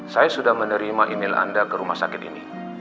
saya sudah menerima email anda ke rumah sakit ini